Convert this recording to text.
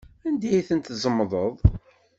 Anda ay tent-tzemḍeḍ?